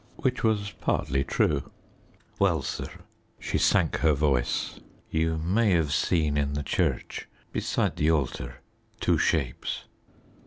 Which was partly true. "Well, sir" she sank her voice "you may have seen in the church, beside the altar, two shapes."